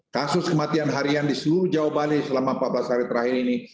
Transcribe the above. kasus kematian harian di seluruh jawa bali selama empat belas hari terakhir ini